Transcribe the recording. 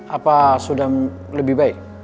apa sudah lebih baik